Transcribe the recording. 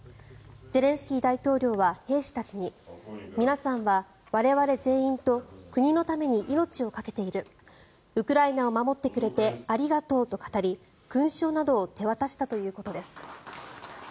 ゼレンスキー大統領は兵士たちに皆さんは我々全員と国のために命をかけているウクライナを守ってくれてありがとうと語り勲章などを手渡したということです。